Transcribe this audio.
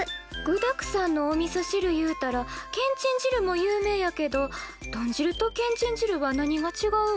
具だくさんのおみそ汁いうたらけんちん汁も有名やけど豚汁とけんちん汁は何がちがうん？